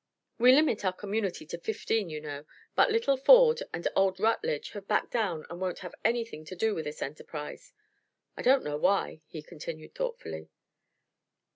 We limit our community to fifteen, you know; but little Ford and old Rutledge have backed down and won't have anything to do with this enterprise. I don't know why," he continued, thoughtfully.